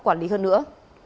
quản lý hơn nữa